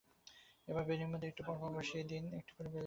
এবার বেণির মাঝে একটু পর পর বসিয়ে দিন একটি করে বেলি ফুল।